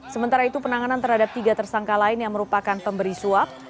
sementara itu penanganan terhadap tiga tersangka lain yang merupakan pemberi suap